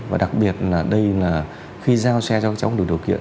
và đặc biệt là đây là khi giao xe cho các cháu không được điều kiện